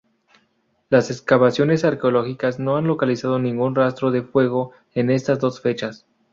Las excavaciones arqueológicas no han localizado ningún rastro de fuego en estas dos fechas.